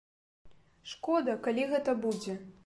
Шкода, калі гэта будзе.